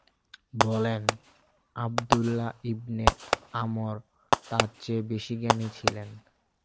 বলেন, আবদুল্লাহ ইবনে আমর তার চেয়ে বেশি জ্ঞানী ছিলেন।